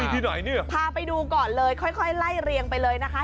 พาไปดูก่อนเลยค่อยไล่เรียงไปเลยนะคะ